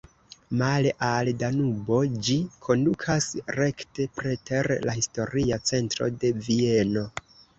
Male al Danubo, ĝi kondukas rekte preter la historia centro de Vieno.